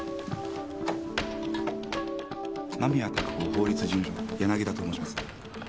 間宮貴子法律事務所柳田と申します。